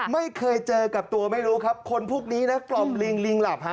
ไม่เคยเจอกับตัวไม่รู้ครับคนพวกนี้นะกล่อมลิงลิงหลับฮะ